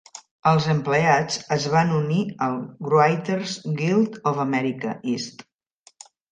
Els empleats es van unir al Writers Guild of America, Est.